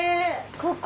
ここ？